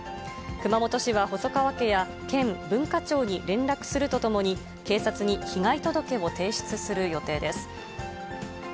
熊本市は、細川家や県、文化庁に連絡するとともに、警察に被害届を提出する予定です。